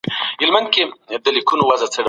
د کندهار په دوبي کي خلګ کوم ډول جامې اغوندي؟